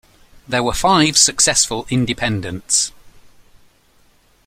There were five successful independents.